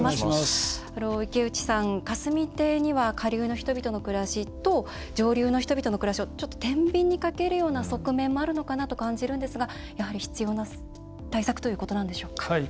池内さん、霞堤には下流の人々の暮らしと上流の人々の暮らしをてんびんにかけるような側面もあると感じるんですがやはり、必要な対策ということなんでしょうか。